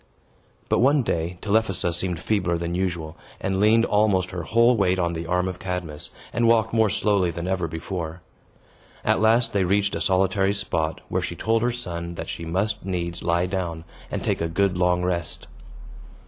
But, one day, Telephassa seemed feebler than usual, and leaned almost her whole weight on the arm of Cadmus, and walked more slowly than ever before. At last they reached a solitary spot, where she told her son that she must needs lie down, and take a good long rest.